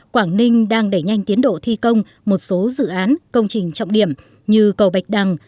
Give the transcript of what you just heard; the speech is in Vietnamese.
quảng ninh đang đẩy nhanh tiến độ thi công một số dự án công trình trọng điểm như cầu bạch đằng